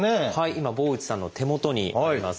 今坊内さんの手元にあります。